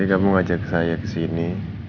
jadi kamu ngajak saya kesini